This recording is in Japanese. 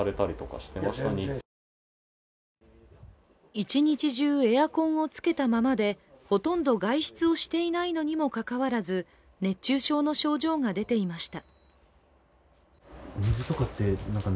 １日中エアコンをつけたままでほとんど外出をしていないのにもかかわらず熱中症の症状が出ていました。